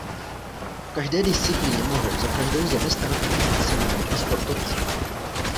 V každé disciplíně mohou za každou zemi startovat maximálně dva sportovci.